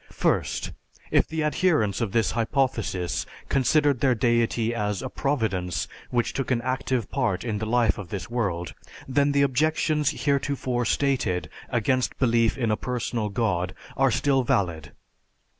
First, if the adherents of this hypothesis considered their deity as a providence which took an active part in the life of this world, then the objections heretofore stated against belief in a personal god are still valid.